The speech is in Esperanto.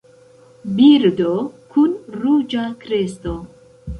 Birdo kun ruĝa kresto.